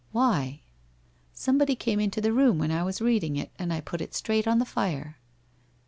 'Why?' ' Somebody came into the room when I was reading it, and I put it straight on the fire.'